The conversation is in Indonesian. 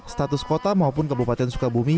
status kota maupun kabupaten sukabumi